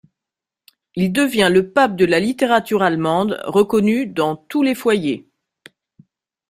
Il devient le pape de la littérature allemande, reconnu dans tous les foyers.